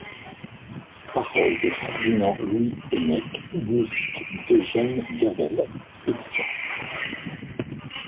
Paroles de Ferdinand-Louis Bénech, musique d’Eugène Gavel, éd.